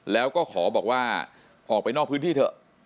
แล้วก็ขอบอกว่าออกไปนอกพื้นที่เถอะ